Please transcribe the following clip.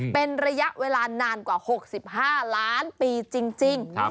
เป็นระยะเวลานานกว่า๖๕ล้านปีจริง